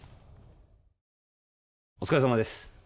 お疲れさまです。